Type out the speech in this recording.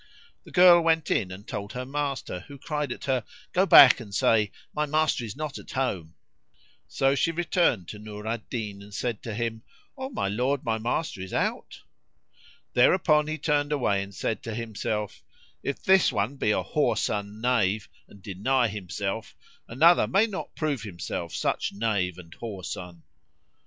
'" The girl went in and told her master, who cried at her, "Go back and say, 'My master is not at home.'" So she returned to Nur al Din, and said to him, "O my lord, my master is out." Thereupon he turned away and said to himself, "If this one be a whoreson knave and deny himself, another may not prove himself such knave and whoreson."